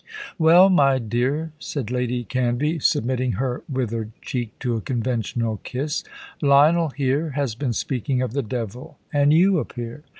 "Well, my dear," said Lady Canvey, submitting her withered cheek to a conventional kiss. "Lionel, here, has been speaking of the devil, and you appear.